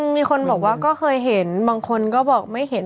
มีคนบอกว่าก็เคยเห็นบางคนก็บอกไม่เห็น